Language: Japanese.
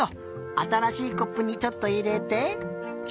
あたらしいコップにちょっといれて。